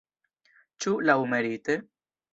Ĉu laŭmerite?